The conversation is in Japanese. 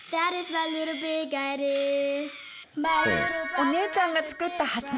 お姉ちゃんが作った発明品